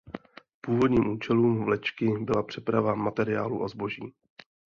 Původním účelem vlečky byla přeprava materiálu a zboží.